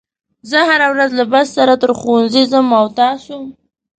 زه هره ورځ له بس سره تر ښوونځي ځم او تاسو